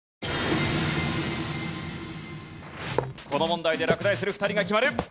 この問題で落第する２人が決まる。